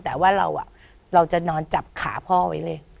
แต่ว่าเราจะนอนจับขาพ่อไว้เลย